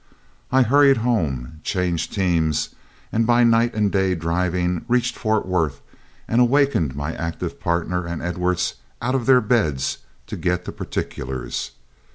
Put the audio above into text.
I hurried home, changed teams, and by night and day driving reached Fort Worth and awakened my active partner and Edwards out of their beds to get the particulars.